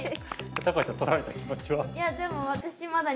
橋さん取られた気持ちは？